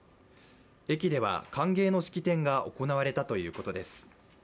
駅では歓迎の式典が行われたということです。